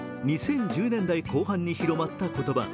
２０１０年代後半に広まった言葉。